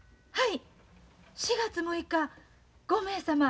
はい４月６日５名様。